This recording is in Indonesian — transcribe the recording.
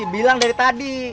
bilang dari tadi